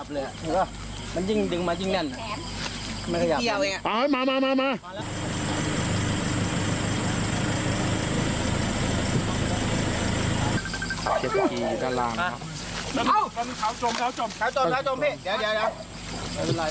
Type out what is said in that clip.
สาวจมเดี๋ยว